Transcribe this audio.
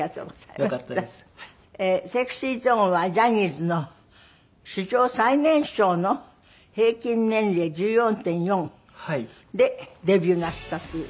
ＳｅｘｙＺｏｎｅはジャニーズの史上最年少の平均年齢１４．４でデビューなすったという。